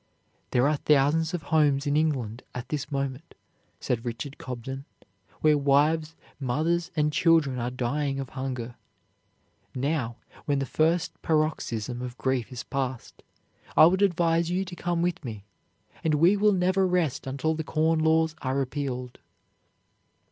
"There are thousands of homes in England at this moment," said Richard Cobden, "where wives, mothers, and children are dying of hunger. Now, when the first paroxysm of grief is passed, I would advise you to come with me, and we will never rest until the Corn Laws are repealed."